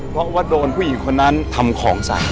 เพราะว่าโดนผู้หญิงคนนั้นทำของใส่